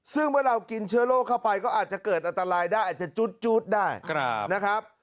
ซึ่งเมื่อเรากินเชื้อโรคเข้าไปก็อาจจะเกิดอันตรายได้อาจจะจู๊ดได้นะครับ